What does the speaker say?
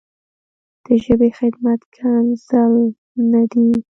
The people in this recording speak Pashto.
د ژبې خدمت ښکنځل نه دي.